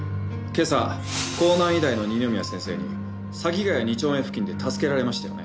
今朝港南医大の二宮先生に佐木ヶ谷２丁目付近で助けられましたよね？